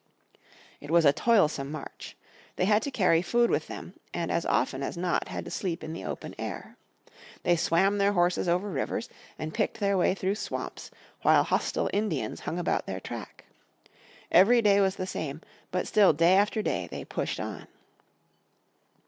It was a toilsome march. They had to carry food with them, and as often as not had to sleep in the open air. They swam their horses over rivers, and picked their way through swamps, while hostile Indians hung about their track. Every day was the same, but still day after day they pushed on.